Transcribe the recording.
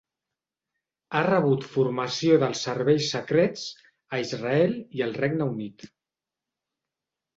Ha rebut formació dels serveis secrets a Israel i el Regne Unit.